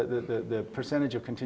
karena persenjataan kewajiban